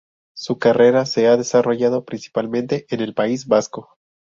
Su carrera se ha desarrollado principalmente en el País Vasco.